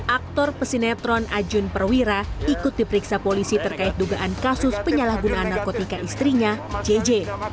aktor pesinetron ajun perwira ikut diperiksa polisi terkait dugaan kasus penyalahgunaan narkotika istrinya cj